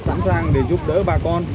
sẵn sàng để giúp đỡ bà con